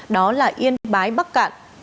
đó là yên bái bắc cạn